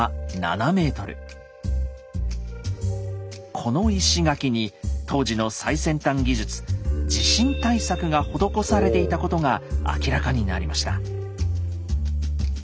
この石垣に当時の最先端技術地震対策が施されていたことが明らかになりました。